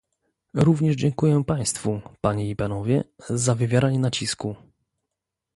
Również dziękuję państwu, panie i panowie, za wywieranie nacisku